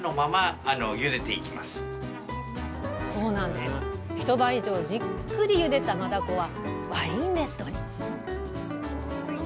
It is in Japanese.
すごい！一晩以上じっくりゆでたマダコはワインレッドに！